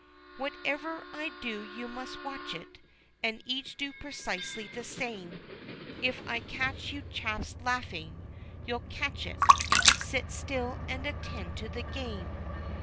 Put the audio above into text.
"Whatever I do you must watch it, and each do precisely the same If I catch you chaps laughing you'll catch it! sit still and attend to the game.